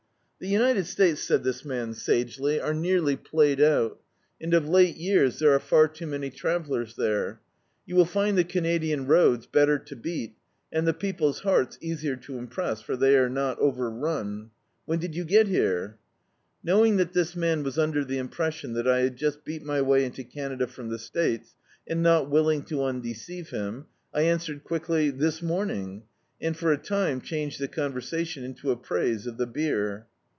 "The United States," said this man sagely, "are nearly played out, and of late years there arc far too many travellers there. You will find the Canadian roads better to beat, and the people's hearts easier to impress, for they are not overran. When did you get here?" Knowing that this man was under the impression that I had just beat my way into Canada from the States, and not willing to undeceive him, I answered <juickly "This morning," and for a time changed the con versation into a praise of the beer.